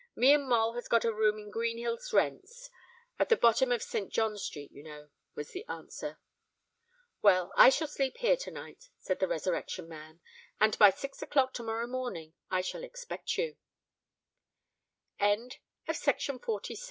"Me and Moll has got a room in Greenhill's Rents—at the bottom of Saint John's Street, you know," was the answer. "Well, I shall sleep here to night," said the Resurrection Man; "and by six o'clock to morrow morning I shall expect you." CHAPTER CLXXXII. MR. GREENWOOD'S JOURNEY.